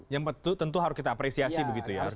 yang tentu harus kita apresiasi begitu ya